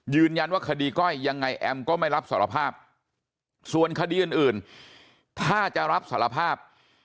คดีก้อยยังไงแอมก็ไม่รับสารภาพส่วนคดีอื่นถ้าจะรับสารภาพ